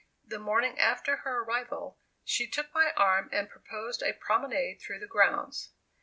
The morning after her arrival, she took my arm and proposed a promenade through the grounds.